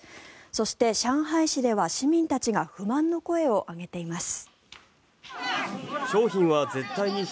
そして上海市では市民たちが不満の声を上げています。